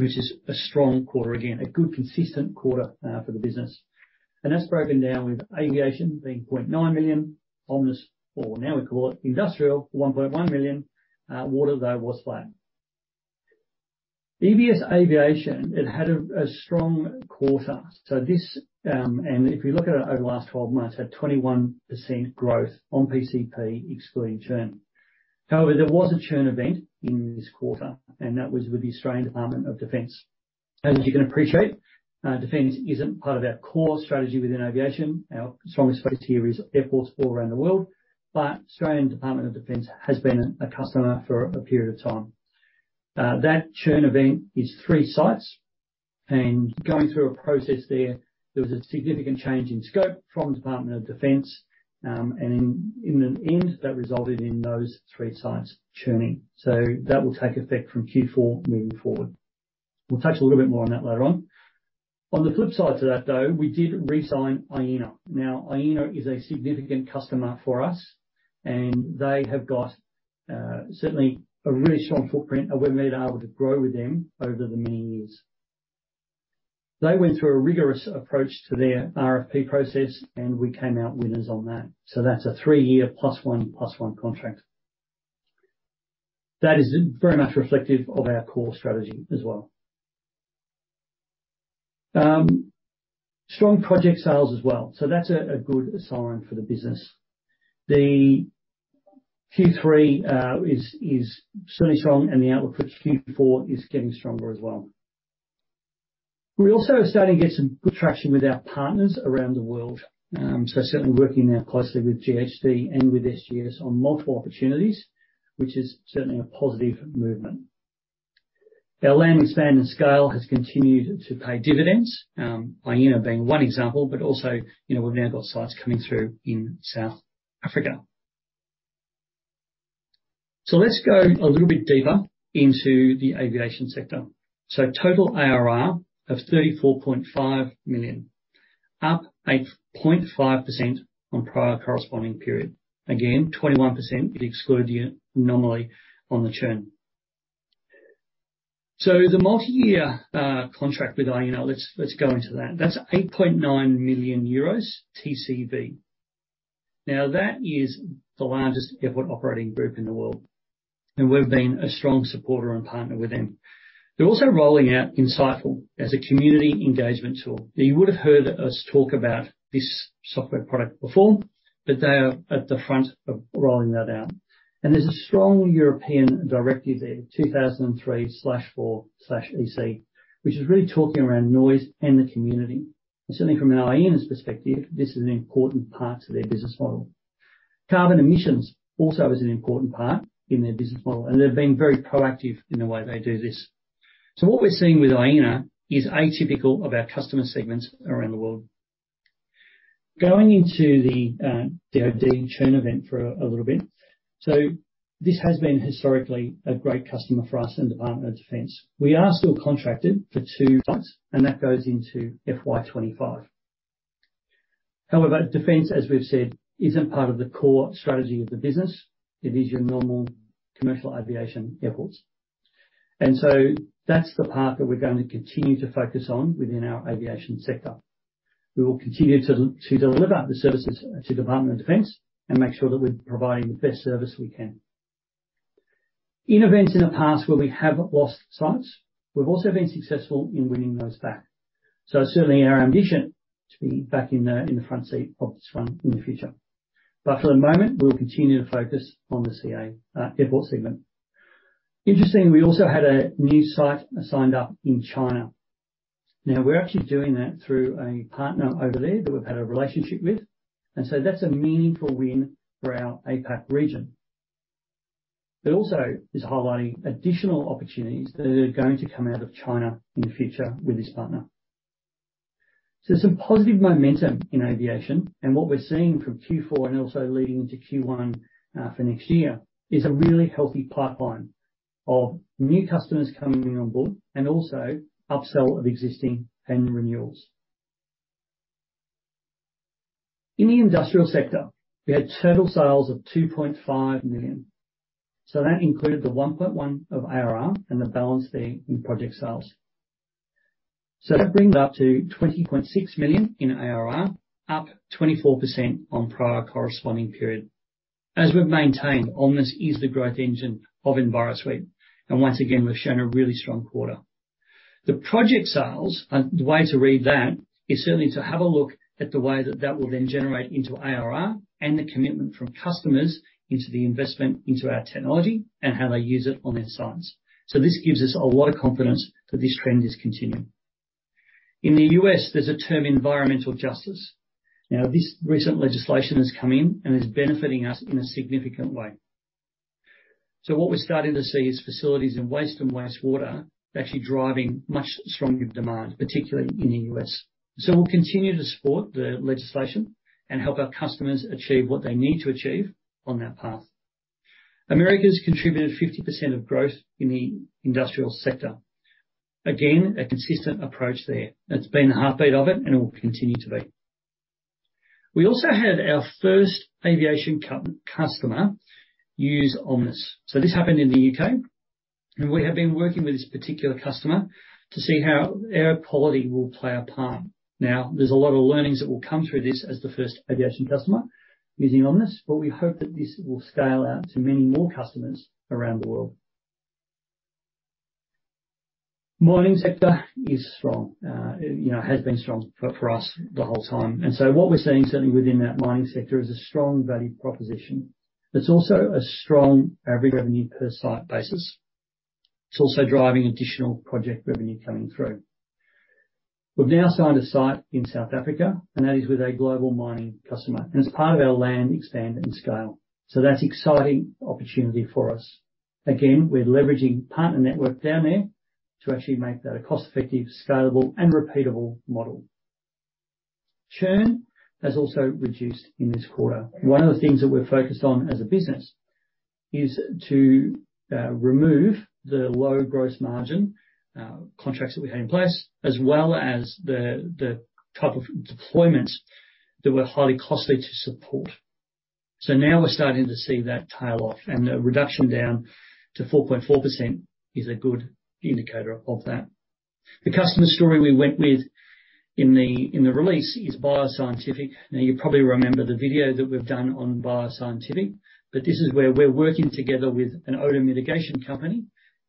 Which is a strong quarter, again, a good consistent quarter, for the business. That's broken down with aviation being 0.9 million, Omnis, or now we call it industrial, 1.1 million. Water, though, was flat. EVS Aviation, it had a strong quarter. If you look at it over the last 12 months, had 21% growth on PCP excluding churn. However, there was a churn event in this quarter, and that was with the Australian Department of Defence. As you can appreciate, defense isn't part of our core strategy within aviation. Our strongest face here is airports all around the world. Australian Department of Defence has been a customer for a period of time. That churn event is three sites and going through a process there was a significant change in scope from Department of Defence, that resulted in those three sites churning. That will take effect from Q4 moving forward. We'll touch a little bit more on that later on. On the flip side to that, though, we did re-sign AENA. Now, AENA is a significant customer for us and they have got certainly a really strong footprint, and we've been able to grow with them over the many years. They went through a rigorous approach to their RFP process, and we came out winners on that. That's a three-year plus one, plus one contract. That is very much reflective of our core strategy as well. Strong project sales as well. That's a good sign for the business. The Q3 is certainly strong, and the outlook for Q4 is getting stronger as well. We also are starting to get some good traction with our partners around the world. Certainly working now closely with GHD and with SGS on multiple opportunities, which is certainly a positive movement. Our land expand and scale has continued to pay dividends, AENA being one example, but also, you know, we've now got sites coming through in South Africa. Let's go a little bit deeper into the aviation sector. Total ARR of 34.5 million, up 8.5% on prior corresponding period. Again, 21% if you exclude the anomaly on the churn. The multi-year contract with AENA, let's go into that. That's 8.9 million euros TCV. Now, that is the largest airport operating group in the world, and we've been a strong supporter and partner with them. They're also rolling out Insightful as a community engagement tool. Now, you would have heard us talk about this software product before, but they are at the front of rolling that out. There's a strong European directive there, 2003/4/EC, which is really talking around noise and the community. Certainly from an AENA's perspective, this is an important part to their business model. Carbon emissions also is an important part in their business model, and they've been very proactive in the way they do this. What we're seeing with AENA is atypical of our customer segments around the world. Going into the DoD churn event for a little bit. This has been historically a great customer for us in Department of Defense. We are still contracted for two sites, and that goes into FY 2025. Defense, as we've said, isn't part of the core strategy of the business. It is your normal commercial aviation airports. That's the part that we're going to continue to focus on within our aviation sector. We will continue to deliver the services to Department of Defense and make sure that we're providing the best service we can. In events in the past where we have lost sites, we've also been successful in winning those back. Certainly our ambition to be back in the front seat of this one in the future. For the moment, we'll continue to focus on the CA airport segment. Interesting, we also had a new site signed up in China. We're actually doing that through a partner over there that we've had a relationship with, and so that's a meaningful win for our APAC region. It also is highlighting additional opportunities that are going to come out of China in the future with this partner. There's some positive momentum in aviation and what we're seeing from Q4 and also leading into Q1 for next year, is a really healthy pipeline of new customers coming on board and also upsell of existing and renewals. In the industrial sector, we had total sales of 2.5 million. That included the 1.1 million of ARR and the balance there in project sales. That brings it up to 20.6 million in ARR, up 24% on prior corresponding period. As we've maintained, Omnis is the growth engine of Envirosuite, and once again, we've shown a really strong quarter. The project sales, the way to read that is certainly to have a look at the way that that will then generate into ARR and the commitment from customers into the investment into our technology and how they use it on their sites. This gives us a lot of confidence that this trend is continuing. In the U.S., there's a term Environmental Justice. Now, this recent legislation has come in and is benefiting us in a significant way. What we're starting to see is facilities in waste and wastewater actually driving much stronger demand, particularly in the U.S. We'll continue to support the legislation and help our customers achieve what they need to achieve on that path. Americas contributed 50% of growth in the industrial sector. Again, a consistent approach there. It's been the heartbeat of it and will continue to be. We also had our first aviation customer use Omnis. This happened in the U.K., and we have been working with this particular customer to see how air quality will play a part. Now, there's a lot of learnings that will come through this as the first aviation customer using Omnis, but we hope that this will scale out to many more customers around the world. Mining sector is strong. you know, has been strong for us the whole time. What we're seeing, certainly within that mining sector, is a strong value proposition. It's also a strong average revenue per site basis. It's also driving additional project revenue coming through. We've now signed a site in South Africa, and that is with a global mining customer, and it's part of our land expand and scale. That's exciting opportunity for us. Again, we're leveraging partner network down there to actually make that a cost-effective, scalable and repeatable model. Churn has also reduced in this quarter. One of the things that we're focused on as a business is to remove the low gross margin contracts that we had in place, as well as the type of deployments that were highly costly to support. Now we're starting to see that tail off, and a reduction down to 4.4% is a good indicator of that. The customer story we went with in the release is Byers Scientific. You probably remember the video that we've done on Byers Scientific, this is where we're working together with an odor mitigation company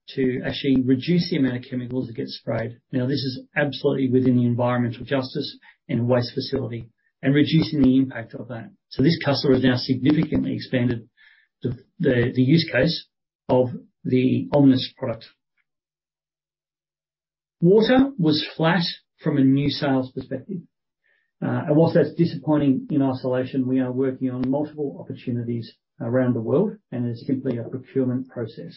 to actually reduce the amount of chemicals that get sprayed. This is absolutely within the Environmental Justice and waste facility and reducing the impact of that. This customer has now significantly expanded the use case of the Omnis product. Water was flat from a new sales perspective. Whilst that's disappointing in isolation, we are working on multiple opportunities around the world, and it's simply a procurement process.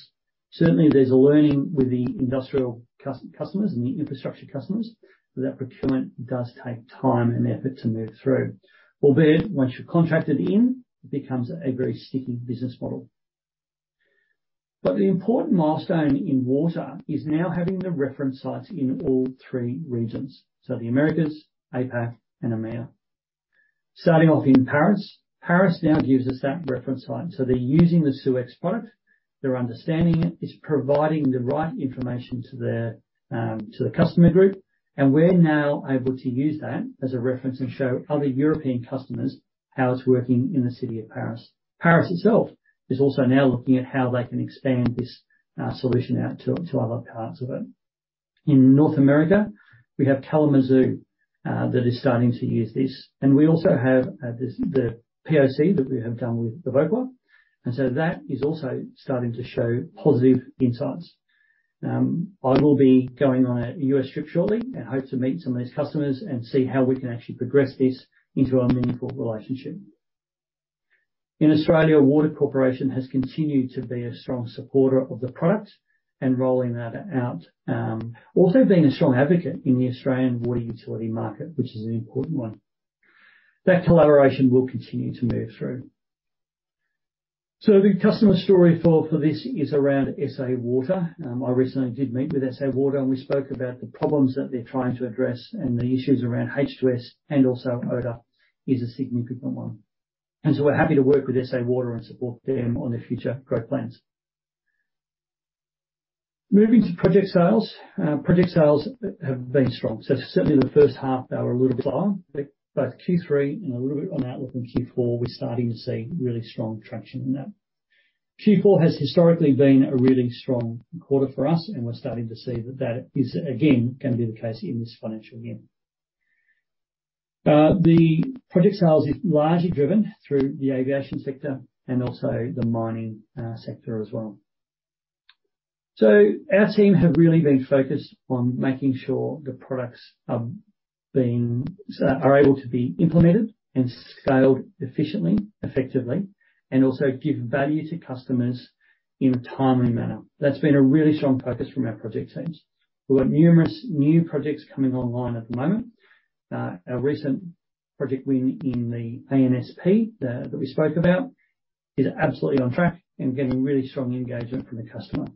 Certainly, there's a learning with the industrial customers and the infrastructure customers that procurement does take time and effort to move through. Albeit, once you're contracted in, it becomes a very sticky business model. The important milestone in water is now having the reference sites in all three regions, so the Americas, APAC and EMEA. Starting off in Paris. Paris now gives us that reference site, so they're using the SUEZ product. They're understanding it. It's providing the right information to the customer group, and we're now able to use that as a reference and show other European customers how it's working in the City of Paris. Paris itself is also now looking at how they can expand this solution out to other parts of it. In North America, we have Kalamazoo that is starting to use this, and we also have the POC that we have done with Evoqua. That is also starting to show positive insights. I will be going on a U.S. trip shortly and hope to meet some of these customers and see how we can actually progress this into a meaningful relationship. In Australia, Water Corporation has continued to be a strong supporter of the product and rolling that out. Also being a strong advocate in the Australian water utility market, which is an important one. That collaboration will continue to move through. The customer story for this is around SA Water. I recently did meet with SA Water and we spoke about the problems that they're trying to address and the issues around H2S and also odor is a significant one. We're happy to work with SA Water and support them on their future growth plans. Moving to project sales. Project sales have been strong. Certainly, the first half, they were a little bit slow. Q3 and a little bit on outlook in Q4, we're starting to see really strong traction in that. Q4 has historically been a really strong quarter for us, and we're starting to see that that is again gonna be the case in this financial year. The project sales is largely driven through the aviation sector and also the mining sector as well. Our team have really been focused on making sure the products are able to be implemented and scaled efficiently, effectively, and also give value to customers in a timely manner. That's been a really strong focus from our project teams. We've got numerous new projects coming online at the moment. Our recent project win in the ANSP that we spoke about is absolutely on track and getting really strong engagement from the customer.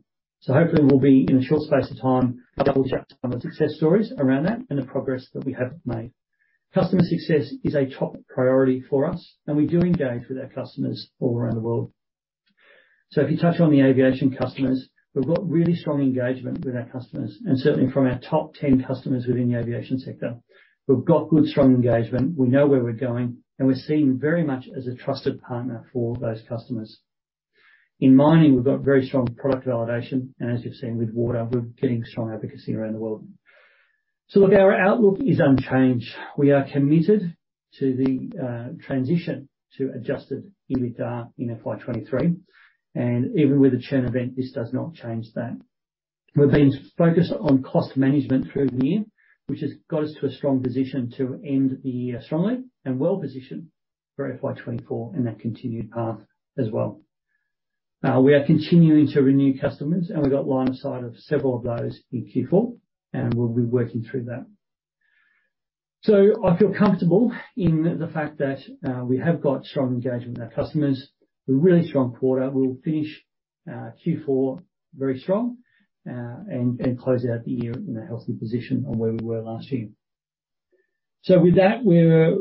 Hopefully we'll be, in a short space of time, able to share some of the success stories around that and the progress that we have made. Customer success is a top priority for us, and we do engage with our customers all around the world. If you touch on the aviation customers, we've got really strong engagement with our customers, and certainly from our top 10 customers within the aviation sector. We've got good, strong engagement. We know where we're going, and we're seen very much as a trusted partner for those customers. In mining, we've got very strong product validation, and as you've seen with water, we're getting strong advocacy around the world. Look, our outlook is unchanged. We are committed to the transition to adjusted EBITDA in FY 2023, and even with a churn event, this does not change that. We've been focused on cost management through the year, which has got us to a strong position to end the year strongly and well-positioned for FY 2024 and that continued path as well. We are continuing to renew customers and we've got line of sight of several of those in Q4, and we'll be working through that. I feel comfortable in the fact that we have got strong engagement with our customers, a really strong quarter. We'll finish Q4 very strong and closing out the year in a healthy position on where we were last year. With that, we're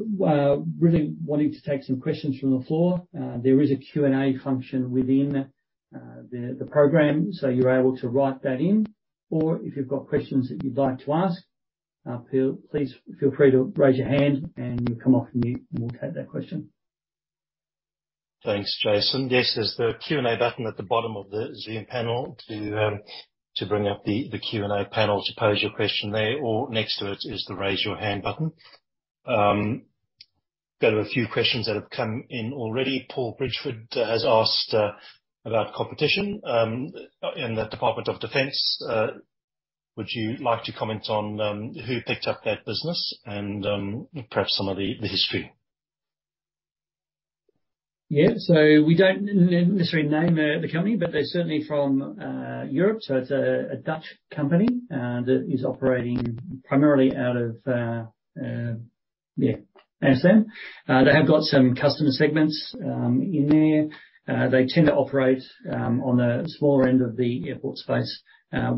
really wanting to take some questions from the floor. There is a Q&A function within the program, so you're able to write that in, or if you've got questions that you'd like to ask, please feel free to raise your hand and you'll come off mute and we'll take that question. Thanks, Jason. Yes, there's the Q&A button at the bottom of the Zoom panel to bring up the Q&A panel to pose your question there, or next to it is the raise your hand button. Got a few questions that have come in already. Paul Bridgford has asked about competition in the Department of Defence. Would you like to comment on who picked up that business and perhaps some of the history? Yeah. We don't necessarily name the company, but they're certainly from Europe. It's a Dutch company that is operating primarily out of yeah, Amsterdam. They have got some customer segments in there. They tend to operate on the smaller end of the airport space.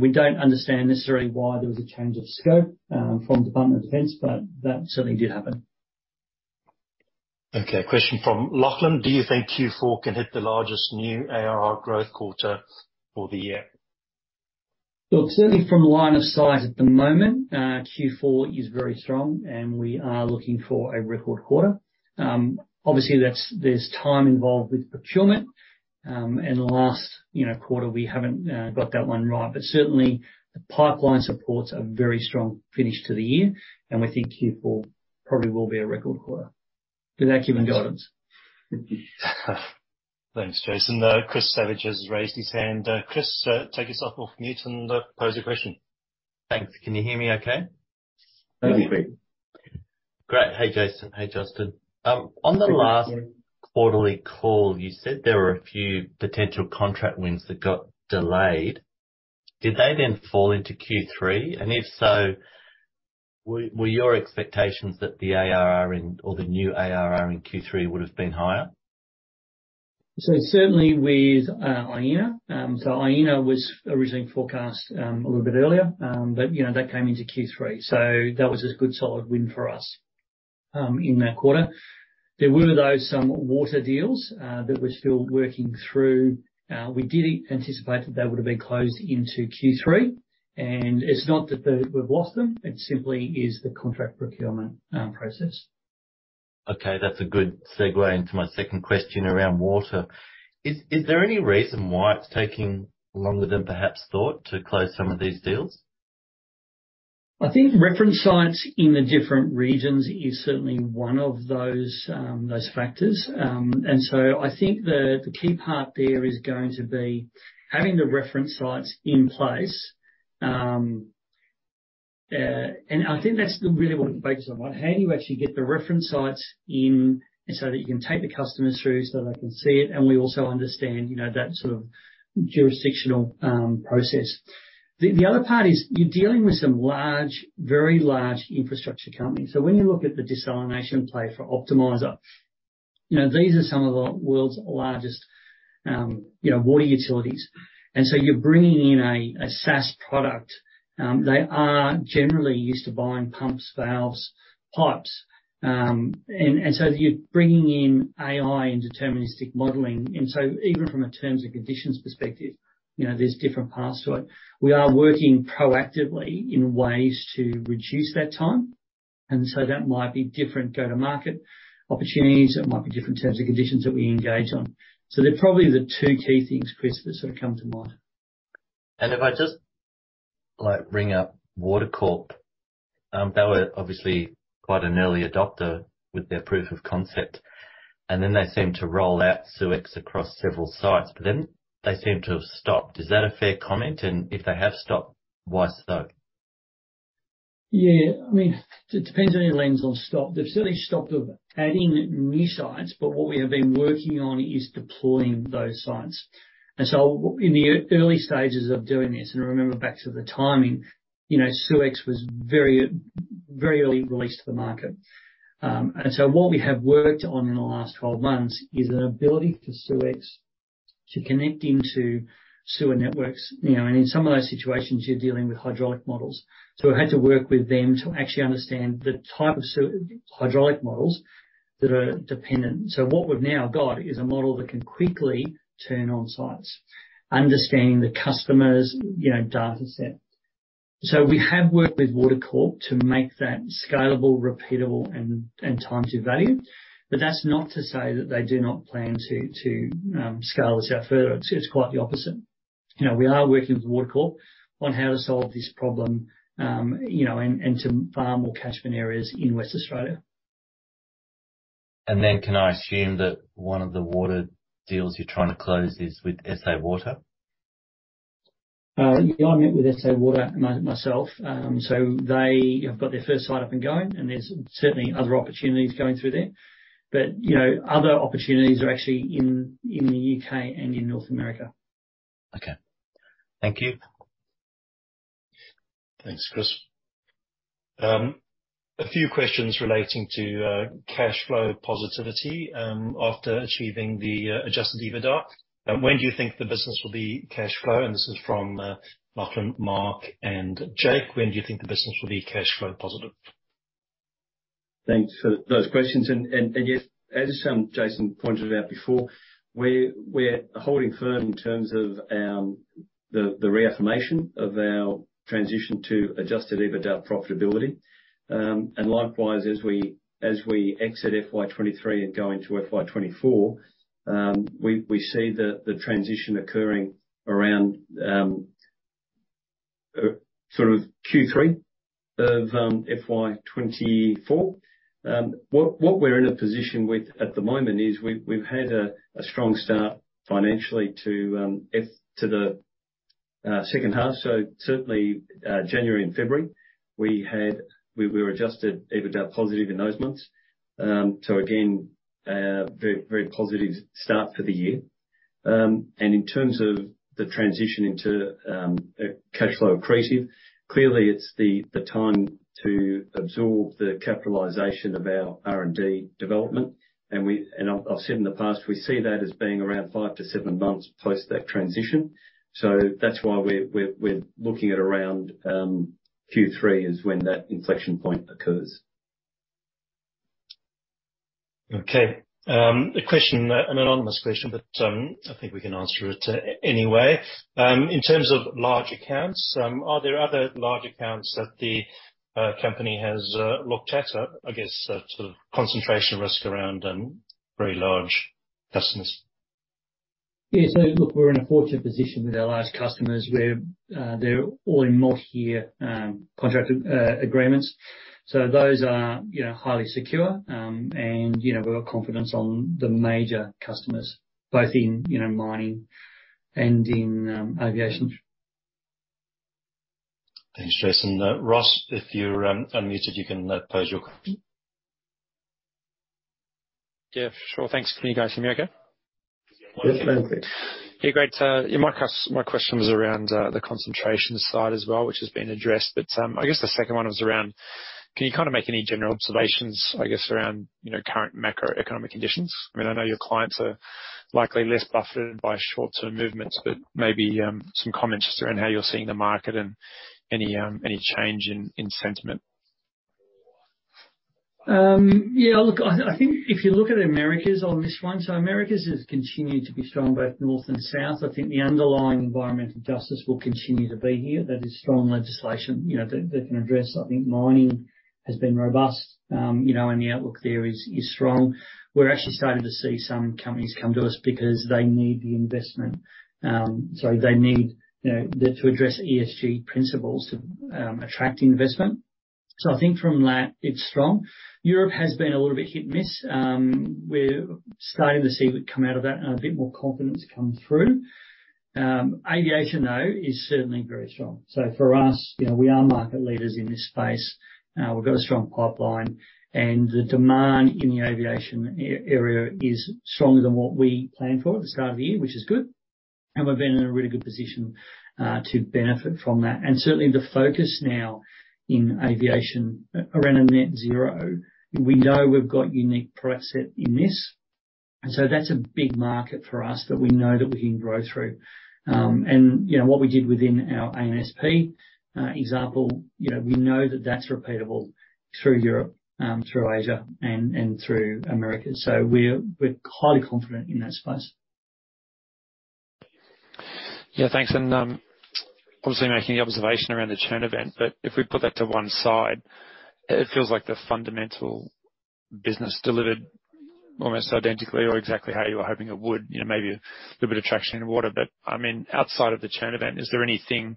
We don't understand necessarily why there was a change of scope from Department of Defence, but that certainly did happen. Okay. Question from Lachlan: Do you think Q4 can hit the largest new ARR growth quarter for the year? Well, certainly from line of sight at the moment, Q4 is very strong, and we are looking for a record quarter. Obviously that's, there's time involved with procurement. Last, you know, quarter we haven't got that one right. Certainly the pipeline supports a very strong finish to the year, and we think Q4 probably will be a record quarter with Acumen guidance. Thanks, Jason. Chris Savage has raised his hand. Chris, take yourself off mute and pose a question. Thanks. Can you hear me okay? Loud and clear. Great. Great. Hey, Jason. Hey, Justin. on the last. Good evening. Quarterly call, you said there were a few potential contract wins that got delayed. Did they then fall into Q3? If so, were your expectations that the ARR in or the new ARR in Q3 would have been higher? Certainly with AENA. AENA was originally forecast a little bit earlier. You know, that came into Q3. That was a good solid win for us in that quarter. There were though some water deals that we're still working through. We did anticipate that they would have been closed into Q3. It's not that we've lost them, it simply is the contract procurement process. Okay. That's a good segue into my second question around water. Is there any reason why it's taking longer than perhaps thought to close some of these deals? I think reference sites in the different regions is certainly one of those factors. I think the key part there is going to be having the reference sites in place. I think that's the really what we focus on, right, how do you actually get the reference sites in so that you can take the customers through so that they can see it? We also understand, you know, that sort of jurisdictional process. The other part is you're dealing with some large, very large infrastructure companies. When you look at the desalination play for Plant Optimizer, you know, these are some of the world's largest, you know, water utilities. You're bringing in a SaaS product. They are generally used to buying pumps, valves, pipes, you're bringing in AI and deterministic modeling. Even from a terms and conditions perspective, you know, there's different paths to it. We are working proactively in ways to reduce that time, that might be different go-to-market opportunities. It might be different terms and conditions that we engage on. They're probably the two key things, Chris, that sort of come to mind. If I just like bring up Water Corp, they were obviously quite an early adopter with their proof of concept, and then they seemed to roll out SeweX across several sites, but then they seemed to have stopped. Is that a fair comment? If they have stopped, why so? Yeah. I mean, it depends on your lens on stopped. They've certainly stopped of adding new sites, but what we have been working on is deploying those sites. So in the early stages of doing this, and remember back to the timing, you know, SeweX was very, very early released to the market. So what we have worked on in the last 12 months is an ability for SeweX to connect into sewer networks. Now, in some of those situations you're dealing with hydraulic models, so we had to work with them to actually understand the type of hydraulic models that are dependent. So what we've now got is a model that can quickly turn on sites, understanding the customer's, you know, data set. So we have worked with Water Corp to make that scalable, repeatable, and time to value. That's not to say that they do not plan to scale this out further. It's quite the opposite. You know, we are working with Water Corp on how to solve this problem, you know, and to farm more catchment areas in West Australia. Can I assume that one of the water deals you're trying to close is with SA Water? Yeah, I met with SA Water myself. They have got their first site up and going, and there's certainly other opportunities going through there. You know, other opportunities are actually in the U.K. and in North America. Okay. Thank you. Thanks, Chris. A few questions relating to cash flow positivity after achieving the adjusted EBITDA. This is from Lachlan, Mark, and Jake. When do you think the business will be cash flow positive? Thanks for those questions. Yes, as Jason pointed out before, we're holding firm in terms of the reaffirmation of our transition to adjusted EBITDA profitability. Likewise, as we exit FY 2023 and go into FY 2024, we see the transition occurring around Q3 of FY 2024. What we're in a position with at the moment is we've had a strong start financially to the second half. Certainly, January and February, we were adjusted EBITDA positive in those months. Again, a very, very positive start for the year. In terms of the transition into cash flow accretive, clearly, it's the time to absorb the capitalization of our R&D development. I've said in the past, we see that as being around five to seven months post that transition. That's why we're looking at around Q3 is when that inflection point occurs. Okay. A question, an anonymous question, but, I think we can answer it anyway. In terms of large accounts, are there other large accounts that the company has looked at? I guess sort of concentration risk around very large customers. Yeah. Look, we're in a fortunate position with our large customers where they're all in multi-year contract agreements. Those are, you know, highly secure. You know, we've got confidence on the major customers, both in, you know, mining and in aviation. Thanks, Jason. Ross, if you're unmuted, you can pose your question. Yeah, sure. Thanks. Can you guys hear me okay? Yes. Yeah. Yeah. Great. My question was around the concentration side as well, which has been addressed. I guess the second one was around can you kinda make any general observations, I guess, around, you know, current macroeconomic conditions? I mean, I know your clients are likely less buffeted by short-term movements, but maybe some comments just around how you're seeing the market and any change in sentiment. Yeah, look, I think if you look at Americas on this one, Americas has continued to be strong, both north and south. I think the underlying Environmental Justice will continue to be here. That is strong legislation, you know, that can address. I think mining has been robust, you know, and the outlook there is strong. We're actually starting to see some companies come to us because they need the investment. They need, you know, to address ESG principles to attract investment. I think from that, it's strong. Europe has been a little bit hit and miss. We're starting to see it come out of that and a bit more confidence come through. Aviation, though, is certainly very strong. For us, you know, we are market leaders in this space. We've got a strong pipeline, and the demand in the aviation area is stronger than what we planned for at the start of the year, which is good. We've been in a really good position to benefit from that. Certainly, the focus now in aviation around a net zero, we know we've got unique product set in this. That's a big market for us that we know that we can grow through. You know, what we did within our ANSP example, you know, we know that that's repeatable through Europe, through Asia and through Americas. We're highly confident in that space. Yeah, thanks. Obviously making the observation around the churn event, but if we put that to one side, it feels like the fundamental business delivered almost identically or exactly how you were hoping it would. You know, maybe a little bit of traction in water. I mean, outside of the churn event, is there anything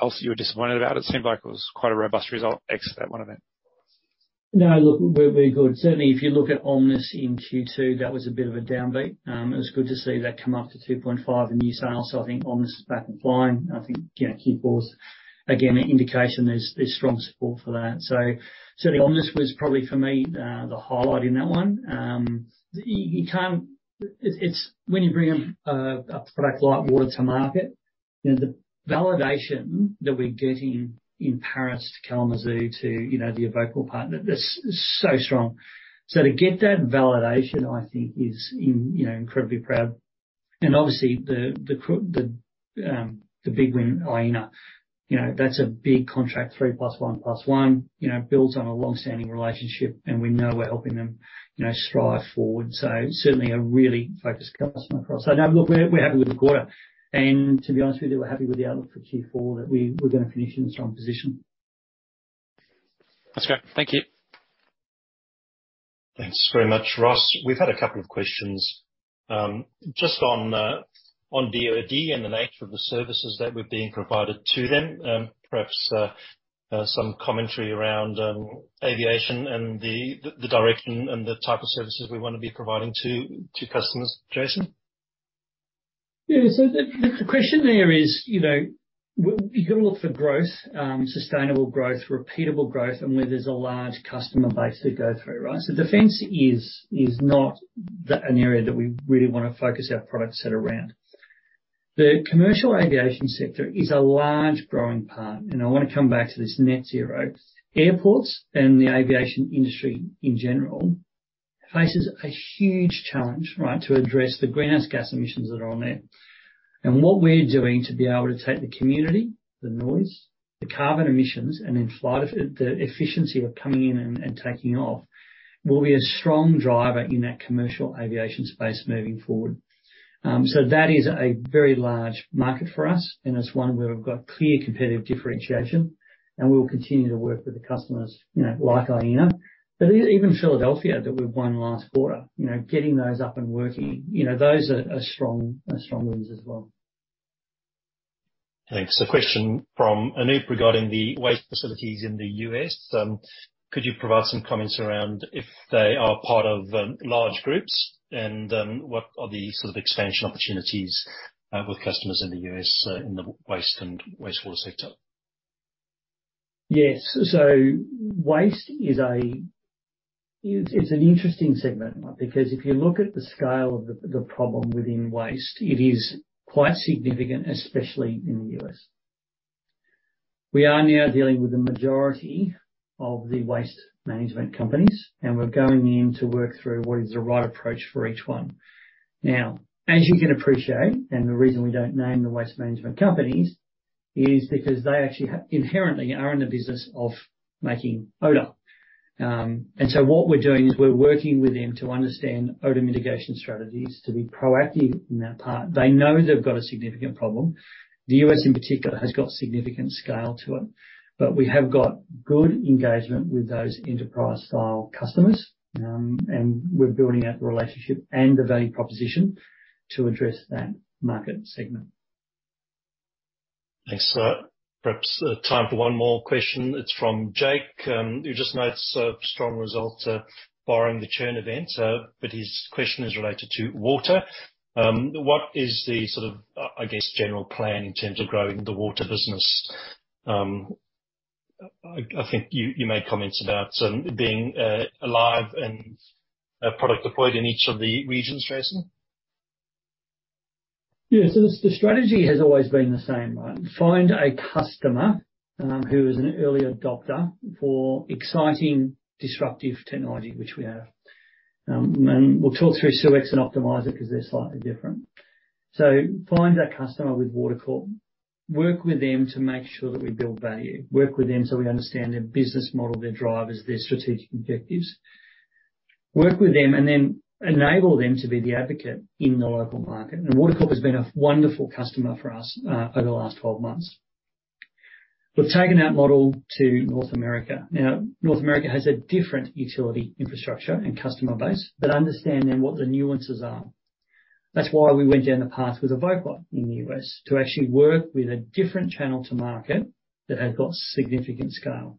else that you were disappointed about? It seemed like it was quite a robust result ex that one event. No. Look, we're good. Certainly, if you look at Omnis in Q2, that was a bit of a down beat. It was good to see that come up to 2.5 in new sales. I think Omnis is back online. I think, you know, Q4 is again an indication there's strong support for that. Certainly Omnis was probably for me, the highlight in that one. It's when you bring a product like water to market, you know, the validation that we're getting in Paris to Kalamazoo to, you know, the Evoqua partner, that's so strong. To get that validation, I think is incredibly proud. Obviously the big win, AENA, you know, that's a big contract, three plus one plus one. You know, it builds on a long-standing relationship, and we know we're helping them, you know, strive forward. Certainly a really focused customer for us. No, look, we're happy with the quarter. To be honest with you, we're happy with the outlook for Q4, that we're gonna finish in a strong position. That's great. Thank you. Thanks very much, Ross. We've had a couple of questions just on DoD and the nature of the services that were being provided to them. Perhaps some commentary around aviation and the direction and the type of services we wanna be providing to customers. Jason? The question there is, you know, you gotta look for growth, sustainable growth, repeatable growth, and where there's a large customer base to go through, right? Defense is not an area that we really wanna focus our product set around. The commercial aviation sector is a large growing part, and I wanna come back to this net zero. Airports and the aviation industry in general, faces a huge challenge, right, to address the greenhouse gas emissions that are on there. What we're doing to be able to take the community, the noise, the carbon emissions, and in flight, the efficiency of coming in and taking off, will be a strong driver in that commercial aviation space moving forward. That is a very large market for us, and it's one where we've got clear competitive differentiation, and we will continue to work with the customers, you know, like AENA. Even Philadelphia that we won last quarter. You know, getting those up and working, you know, those are strong wins as well. Thanks. A question from Anup regarding the waste facilities in the U.S. Could you provide some comments around if they are part of large groups? What are the sort of expansion opportunities with customers in the U.S. in the waste and wastewater sector? Yes. Waste is an interesting segment, because if you look at the scale of the problem within waste, it is quite significant, especially in the U.S. We are now dealing with the majority of the waste management companies, and we're going in to work through what is the right approach for each one. As you can appreciate, the reason we don't name the waste management companies, is because they inherently are in the business of making odor. What we're doing is we're working with them to understand odor mitigation strategies to be proactive in that part. They know they've got a significant problem. The U.S. in particular has got significant scale to it. We have got good engagement with those enterprise-style customers, and we're building out the relationship and the value proposition to address that market segment. Thanks for that. Perhaps time for one more question. It's from Jake, who just notes, strong results, barring the churn event. His question is related to water. What is the sort of, I guess, general plan in terms of growing the water business? I think you made comments about being alive and a product deployed in each of the regions, Jason. The strategy has always been the same, right. Find a customer who is an early adopter for exciting disruptive technology which we have. We'll talk through SeweX and Plant Optimizer because they're slightly different. Find that customer with Water Corp, work with them to make sure that we build value. Work with them so we understand their business model, their drivers, their strategic objectives. Work with them and then enable them to be the advocate in the local market. Water Corp has been a wonderful customer for us over the last 12 months. We've taken that model to North America. North America has a different utility infrastructure and customer base, but understanding what the nuances are. That's why we went down the path with Evoqua in the U.S to actually work .with a different channel to market that had got significant scale.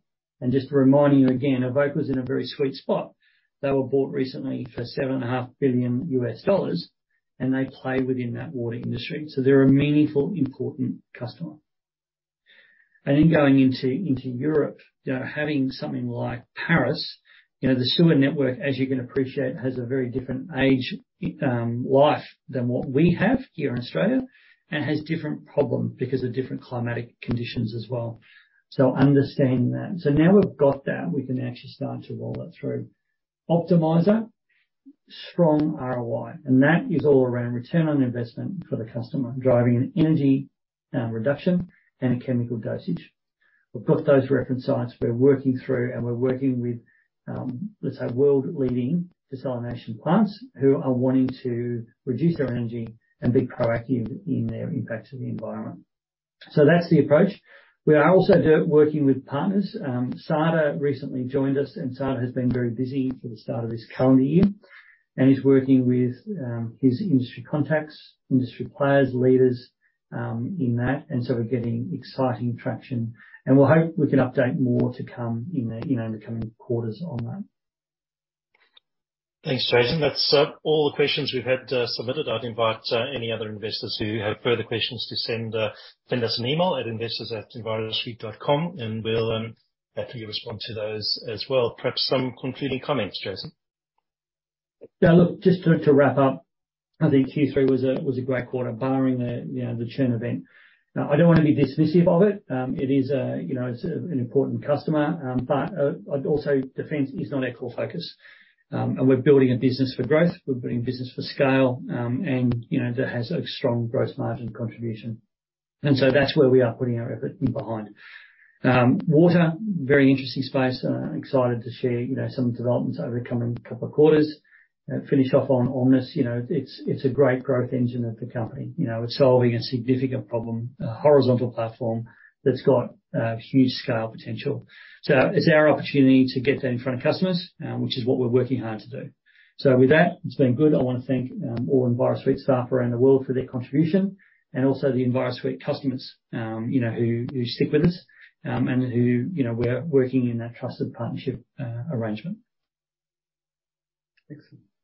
Just to remind you again, Evoqua's in a very sweet spot. They were bought recently for $7.5 billion, and they play within that water industry. They're a meaningful, important customer. In going into Europe, you know, having something like Paris, you know, the sewer network, as you can appreciate, has a very different age, life than what we have here in Australia, and has different problems because of different climatic conditions as well. Understanding that. Now we've got that, we can actually start to roll that through. Plant Optimizer, strong ROI, and that is all around return on investment for the customer, driving an energy reduction and a chemical dosage. We've got those reference sites we're working through, and we're working with, let's say, world-leading desalination plants who are wanting to reduce their energy and be proactive in their impact to the environment. That's the approach. We are also working with partners. SADA recently joined us, and SADA has been very busy for the start of this calendar year, and is working with his industry contacts, industry players, leaders, in that, and so we're getting exciting traction. We'll hope we can update more to come in the, you know, in the coming quarters on that. Thanks, Jason. That's all the questions we've had submitted. I'd invite any other investors who have further questions to send us an email at investors@envirosuite.com, and we'll happily respond to those as well. Perhaps some concluding comments, Jason. Look, just to wrap up, I think Q3 was a great quarter barring the, you know, the churn event. I don't wanna be dismissive of it. It is a, you know, it's an important customer, defense is not our core focus. We're building a business for growth. We're building business for scale, you know, that has a strong growth margin contribution. That's where we are putting our effort in behind. Water, very interesting space. Excited to share, you know, some developments over the coming couple of quarters. Finish off on Omnis. You know, it's a great growth engine of the company. You know, it's solving a significant problem, a horizontal platform that's got huge scale potential. It's our opportunity to get that in front of customers, which is what we're working hard to do. With that, it's been good. I wanna thank all Envirosuite staff around the world for their contribution, and also the Envirosuite customers, you know, who stick with us, and who, you know, we're working in that trusted partnership arrangement. Excellent.